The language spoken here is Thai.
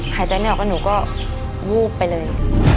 หายใจไม่ออกแล้วหนูก็วูบไปเลย